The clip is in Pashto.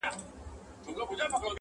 سړی پوه وو چي غمی مي قېمتي دی.